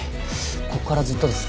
ここからずっとです。